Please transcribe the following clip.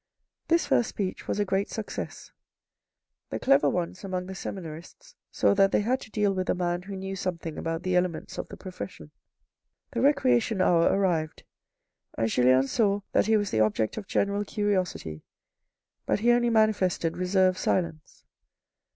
This first speech was a great success. The clever ones among the seminarists saw that they had to deal with a man who knew something about the elements of the profession. The recreation hour arrived, and Julien saw that he was the object of general curiosity, but he only manifested reserved silence.